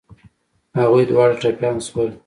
هغوی دواړه ټپيان شول.